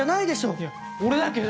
いや俺だけど。